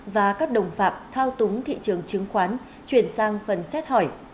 và các đồng phạm thao túng thị trường chứng khoán chuyển sang phần xét hỏi